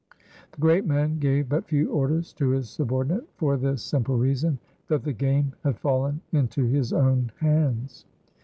The great man gave but few orders to his subordinate, for this simple reason, that the game had fallen into his own hands.